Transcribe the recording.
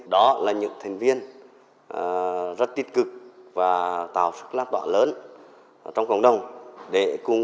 đó là những thành viên rất tích cực và tạo sức lãng toán lớn